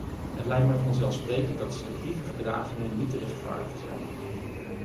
Het lijkt mij vanzelfsprekend dat selectieve gedragingen niet te rechtvaardigen zijn.